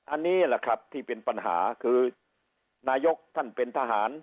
อันนี้แหละครับที่เป็นปัญหาคือนายกท่านเป็นทหาร